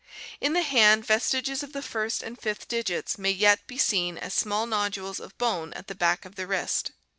In the hand, ves [y tiges of the first and fifth digits may yet be seen as small nodules of bone at the back of the wrist.